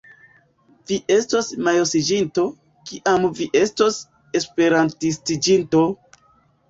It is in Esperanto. Vi estos mojosiĝinto, kiam vi estos Esperantistiĝinto!